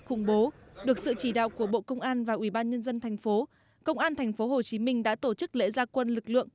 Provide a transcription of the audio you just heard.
khủng bố được sự chỉ đạo của bộ công an và ủy ban nhân dân tp hcm đã tổ chức lễ gia quân lực lượng